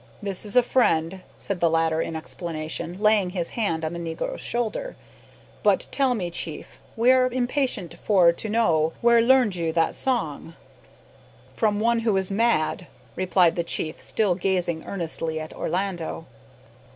"This is a friend," said the latter in explanation, laying his hand on the negro's shoulder. "But tell me, chief, we are impatient for to know, where learned you that song?" "From one who is mad," replied the chief still gazing earnestly at Orlando.